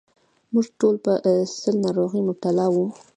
موږ ټول په سِل ناروغۍ مبتلا وو.